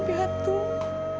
tapi tiara anak aku mas